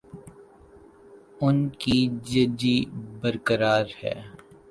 ان کی ججی برقرار ہے۔